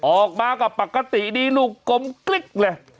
ออกมาก็ปกติดีลูกกลมกลิ๊กเลย